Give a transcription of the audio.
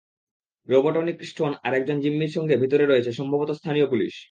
Robotnik Stone আর একজন জিম্মির সঙ্গে ভিতরে রয়েছে, সম্ভবত স্থানীয় পুলিশ।